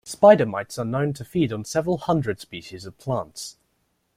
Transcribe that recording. Spider mites are known to feed on several hundred species of plants.